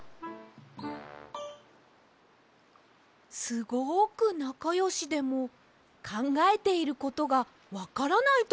すごくなかよしでもかんがえていることがわからないときもあるようです！